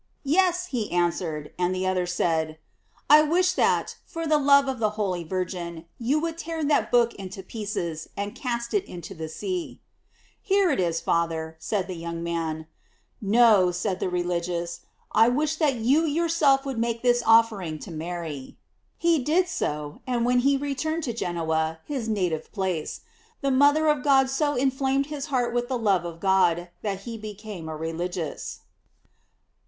"Yes," he answered; and the other said, "I wish that, for love of the holy Virgin, you would tear that book in pieces and cast it into the sea." *'Here it is, Father," said the young man. "No," * Annal. Soc. 1650, Ap. Auriem. Aff. Scamb. t. 8, C. 7. GLOEIES OF MABY. 681 •aid the religious, "I wish that you yourself would make this offering to Mary." He did so, and when he returned to Genoa, his native place, Ihe mother of God so inflamed his heart with the love of God that he became a religious.